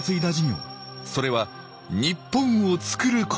それは日本をつくることでした。